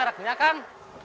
itu label mereknya kan